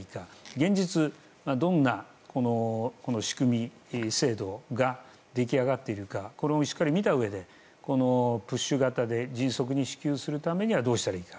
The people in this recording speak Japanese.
現実、どんな仕組み、制度が出来上がっているかを見たうえでプッシュ型で迅速に支給するためにはどうしたらいいか。